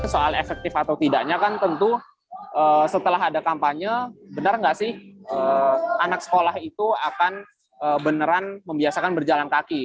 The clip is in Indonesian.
soal efektif atau tidaknya kan tentu setelah ada kampanye benar nggak sih anak sekolah itu akan beneran membiasakan berjalan kaki